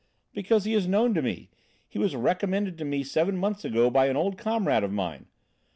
"Because he is known to me. He was recommended to me seven months ago by an old comrade of mine.